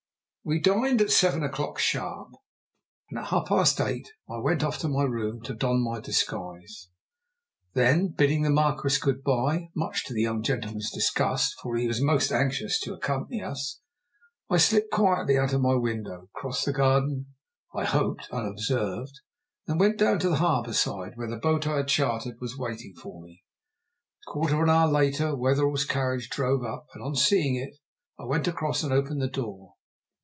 We dined at seven o'clock sharp, and at half past eight I went off to my room to don my disguise; then, bidding the Marquis good bye much to the young gentleman's disgust, for he was most anxious to accompany us I slipped quietly out of my window, crossed the garden I hoped unobserved and then went down to the harbour side, where the boat I had chartered was waiting for me. A quarter of an hour later Wetherell's carriage drove up, and on seeing it I went across and opened the door.